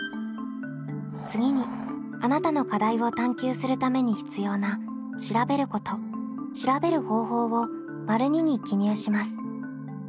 次にあなたの課題を探究するために必要な「調べること」「調べる方法」を②に記入します。